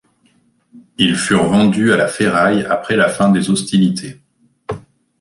Ils furent vendus à la ferraille après la fin des hostilités.